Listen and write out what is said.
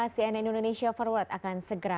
cnn indonesia forward akan segera